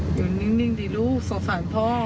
อยู่นิ่งดีลูกสงสารพ่อ